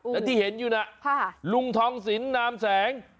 แล้วที่เห็นอยู่น่ะลุงทองสินนามแสง